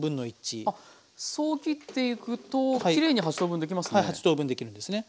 あそう切っていくときれいに８等分できますね。